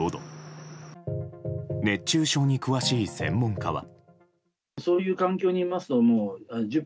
熱中症に詳しい専門家は。